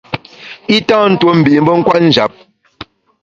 I tâ ntuo mbi’ mbe kwet njap.